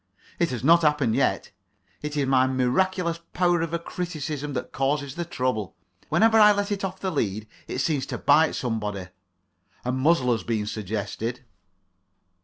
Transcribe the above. It has not happened yet. It is my miraculous power of criticism that causes the trouble. Whenever I let it off the lead it seems to bite somebody; a muzzle has been suggested.